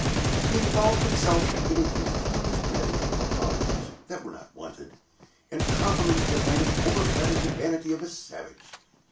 He involved himself in a confused medley of apologies that were not wanted, and of compliments that might have overflattered the vanity of a savage.